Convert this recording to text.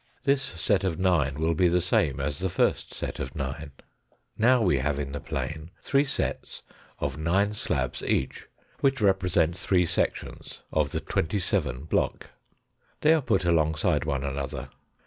This set of nine will be the same as the first set of nine. Now we have in the plane three sets of nine slabs each, which represent three sections of the twenty seven block. They are put alongside one another.